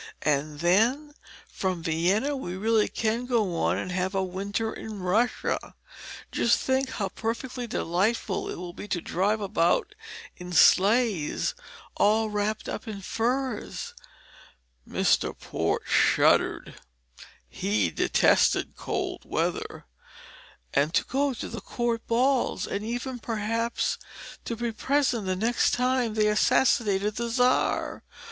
And then, from Vienna, we really can go on and have a winter in Russia. Just think how perfectly delightful it will be to drive about in sledges, all wrapped up in furs" Mr. Port shuddered; he detested cold weather "and to go to the court balls, and even, perhaps, to be present the next time they assassinate the Czar!